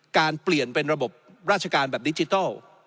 เปลี่ยนเป็นระบบราชการแบบดิจิทัล